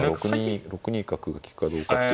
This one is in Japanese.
６二角が利くかどうかっていうのは。